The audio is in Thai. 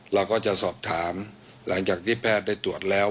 เราก็จะสอบถามหลังจากที่แพทย์ได้ตรวจแล้ว